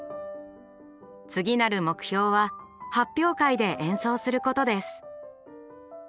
次なる目標は発表会で演奏することです。